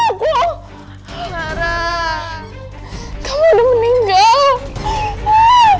enggak jangan ikutin aku